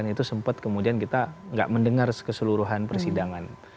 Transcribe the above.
itu sempat kemudian kita tidak mendengar keseluruhan persidangan